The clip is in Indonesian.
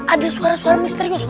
ada suara suara misterius